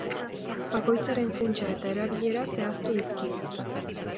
Bakoitzaren funtsa eta erabilera zehaztu dizkie.